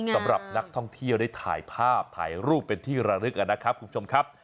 สำหรับนักท่องเที่ยวได้ถ่ายภาพถ่ายรูปเป็นที่ระลึกนะครับคุณผู้ชมครับ